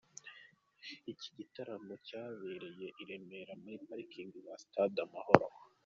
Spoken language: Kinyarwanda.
Iki gitaramo cyabereye i Remera muri Parikingi za Stade Amahoro.